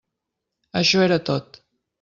Això era tot.